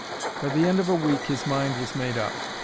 By the end of a week his mind was made up.